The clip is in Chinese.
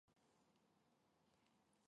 姓什么？